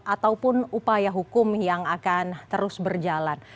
ataupun upaya hukum yang akan terus berjalan